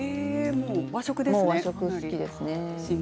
和食が好きですね。